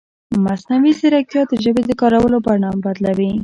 مصنوعي ځیرکتیا د ژبې د کارولو بڼه بدلوي.